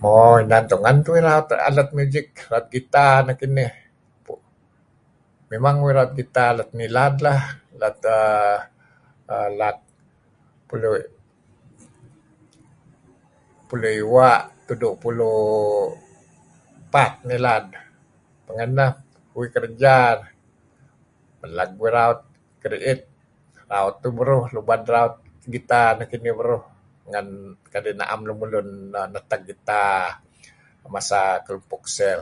Mo inan tungen tuih raut alat music, raut guitar nekinih, memang uih raut guitar let ngilad lah let laak pulu' iwa' tudu' pulu' epat ngilad. Pengeh neh uih kerja meleg uih raut kedi'it. Raut tuih beruh lubeh uih raut guitar kadi na'em lun neteg guitar masa Kelumpuk Cell.